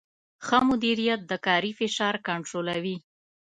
ښه مدیریت د کاري فشار کنټرولوي.